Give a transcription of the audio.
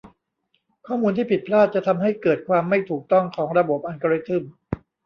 ข้อมูลที่ผิดพลาดจะทำให้เกิดความไม่ถูกต้องของระบบอัลกอริทึม